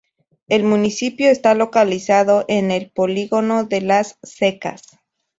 El municipio está localizado en el Polígono de las Secas.